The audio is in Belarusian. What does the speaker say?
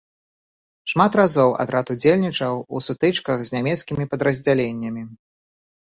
Шмат разоў атрад удзельнічаў у сутычках з нямецкімі падраздзяленнямі.